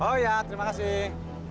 oh ya terima kasih